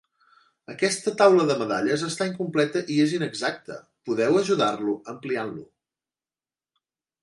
Aquesta taula de medalles està incompleta i es inexacta, podeu ajudar-lo ampliant-lo.